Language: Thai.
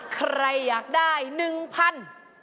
ใครอยากได้๑พัน